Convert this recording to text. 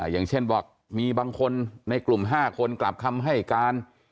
อย่างเช่นบอกมีบางคนในกลุ่ม๕คนกลับคำให้การ